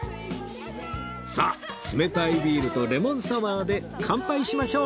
さあ冷たいビールとレモンサワーで乾杯しましょう！